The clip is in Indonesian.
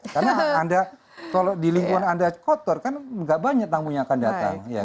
karena anda kalau di lingkungan anda kotor kan gak banyak tamunya akan datang